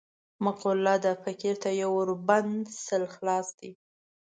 معقوله ده: فقیر ته یو ور بند، سل خلاص دي.